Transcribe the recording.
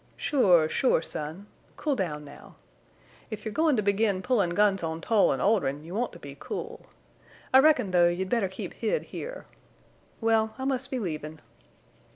"Sure, sure, son. Cool down now. If you're goin' to begin pullin' guns on Tull an' Oldrin' you want to be cool. I reckon, though, you'd better keep hid here. Well, I must be leavin'."